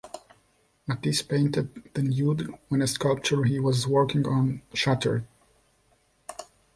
Matisse painted the nude when a sculpture he was working on shattered.